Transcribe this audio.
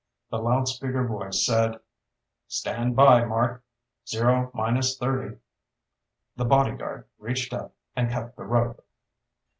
The loudspeaker voice said, "Stand by. Mark! Zero minus thirty." The bodyguard reached up and cut the rope!